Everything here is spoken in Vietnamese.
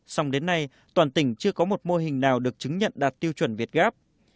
xong đến nay toàn tỉnh chưa có một mô hình nào được chứng nhận đạt tiêu chuẩn việt gáp